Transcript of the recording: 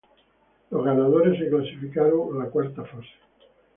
Los ganadores clasificaron a la Cuarta fase.